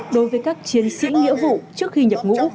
đối với các chiến sĩ nghĩa vụ trước khi nhập ngũ